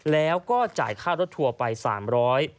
แล้วก็จ่ายค่ารถทัวร์ไป๓๐๐บาท